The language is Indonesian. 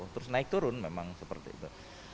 terus naik turun memang seperti itu